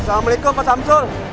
assalamualaikum pak samsul